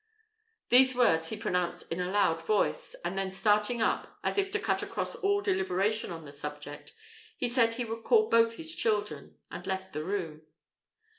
These words he pronounced in a loud voice, and then starting up, as if to cut across all deliberation on the subject, he said he would call both his children, and left the room.